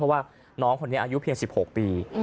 เพราะว่าน้องคนนี้อายุเพียง๑๖ปี